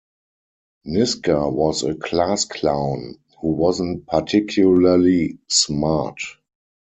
Nisker was a class clown, who wasn't particularly smart.